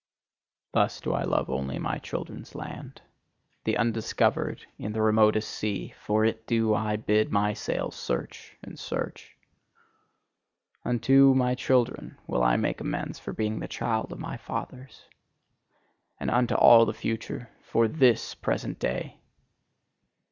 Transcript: Thus do I love only my CHILDREN'S LAND, the undiscovered in the remotest sea: for it do I bid my sails search and search. Unto my children will I make amends for being the child of my fathers: and unto all the future for THIS present day!